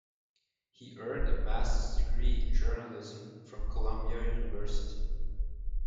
He earned a Master's degree in Journalism from Columbia University.